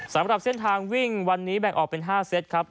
สำหรับเส้นทางวิ่งวันนี้แบ่งออกเป็น๕เซตครับ